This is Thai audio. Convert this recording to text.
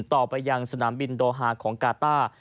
ต่อไปยังสนามบินโดฮาของกาต้า